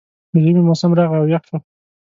د ژمي موسم راغی او یخ شو